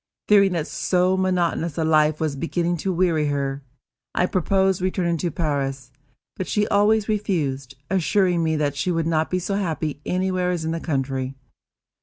Fearing that so monotonous a life was beginning to weary her, I proposed returning to Paris; but she always refused, assuring me that she could not be so happy anywhere as in the country.